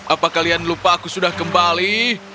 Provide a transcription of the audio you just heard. apa kalian lupa aku sudah kembali